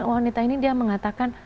wanita ini dia mengatakan